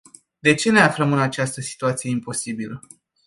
De ce ne aflăm în această situație imposibilă?